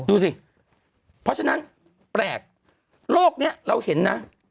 ดูสิเพราะฉะนั้นแปลกโลกนี้เราเห็นนะ